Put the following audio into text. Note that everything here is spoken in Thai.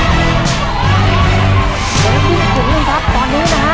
ทุกคนค่ะตอนนี้นะฮะ